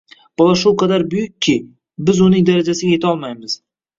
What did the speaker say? Bola shu qadar buyukki, biz uning darajasiga yetolmaymiz!